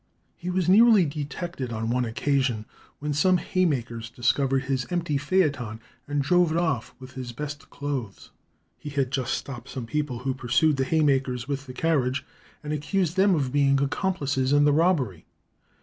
He was nearly detected on one occasion, when some haymakers discovered his empty phaeton and drove it off with his best clothes. He had just stopped some people, who pursued the haymakers with the carriage and accused them of being accomplices in the robbery.